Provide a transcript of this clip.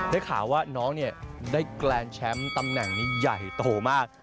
ได้ข่าวน้องได้แกรนชัมตำแหน่งใหญ่โตมาก